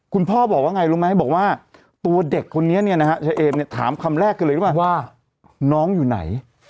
คุณพ่อบอกว่าไงรู้ไหมบอกว่าตัวเด็กคนนี้เนี่ยนะฮะเชมเนี่ยถามคำแรกกันเลยหรือเปล่าว่าน้องอยู่ไหน